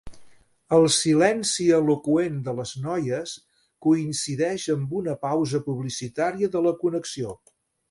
El silenci eloqüent de les noies coincideix amb una pausa publicitària de la connexió.